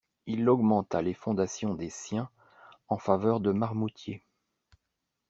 Il augmenta les fondations des siens en faveur de Marmoutier.